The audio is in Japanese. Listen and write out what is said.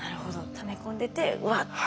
ため込んでてうわっと。